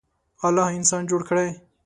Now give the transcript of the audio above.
الله انسان جوړ کړی.